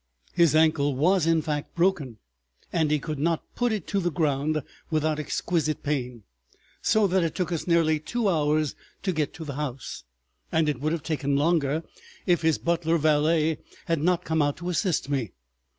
His ankle was, in fact, broken, and he could not put it to the ground without exquisite pain. So that it took us nearly two hours to get to the house, and it would have taken longer if his butler valet had not come out to assist me.